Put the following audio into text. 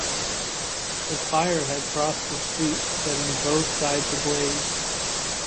The fire had crossed the street setting both sides ablaze.